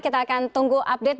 kita akan tunggu update